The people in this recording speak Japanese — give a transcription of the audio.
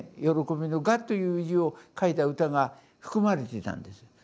慶びの「賀」という字を書いた歌が含まれていたんです。